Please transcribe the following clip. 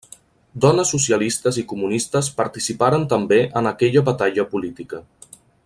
Dones socialistes i comunistes participaren també en aquella batalla política.